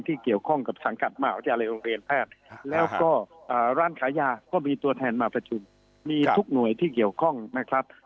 ที่เกี่ยวข้องกับสังกัดมาอาจารย์โรงเรียนแพทย์